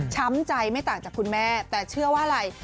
ใจไม่ต่างจากคุณแม่แต่เชื่อว่าอะไร